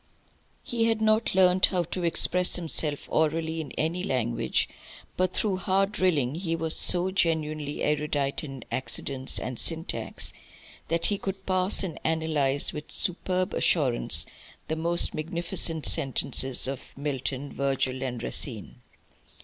He had not learnt how to express himself orally in any language, but through hard drilling he was so genuinely erudite in accidence and syntax that he could parse and analyse with superb assurance the most magnificent sentences of Milton, Virgil, and Racine.